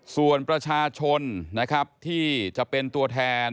ส่วนประชาชนนะครับที่จะเป็นตัวแทน